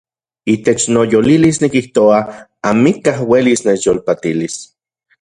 Itech noyolilis nikijoa amikaj uelis nechyolpatilis.